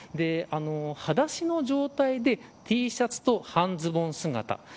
はだしの状態でＴシャツと半ズボン姿。